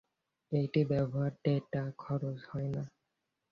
এটি ব্যবহারে ডেটা খরচ হয় না।